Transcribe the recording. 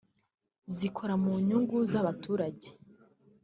zikora mu nyungu z’abaturage